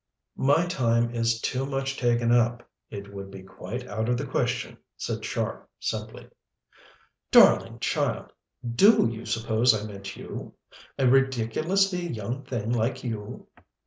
"My time is too much taken up; it would be quite out of the question," said Char simply. "Darling child! Do you suppose I meant you a ridiculously young thing like you?